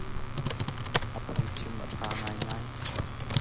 A phungchim a ṭha ngaingai.